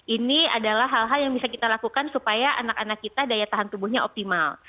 ini adalah hal hal yang bisa kita lakukan supaya anak anak kita daya tahan tubuhnya optimal